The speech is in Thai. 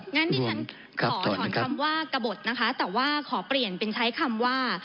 งั้นดิฉันขอถอนคำว่ากระบดนะคะแต่ว่าขอเปลี่ยนเป็นใช้คำว่า